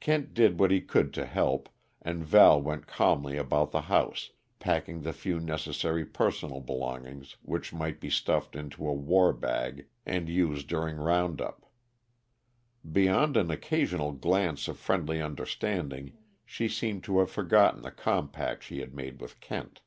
Kent did what he could to help, and Val went calmly about the house, packing the few necessary personal belongings which might be stuffed into a "war bag" and used during round up. Beyond an occasional glance of friendly understanding, she seemed to have forgotten the compact she had made with Kent.